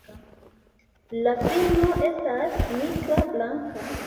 La filmo estas nigra-blanka.